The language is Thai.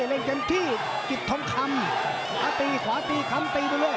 ไปเล่นกันที่จิตธงคำอาตีขวาตีคำตีด้วย